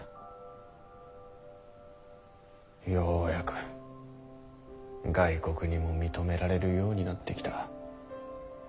ようやく外国にも認められるようになってきた。